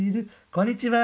こんにちは。